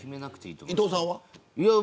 伊藤さんは。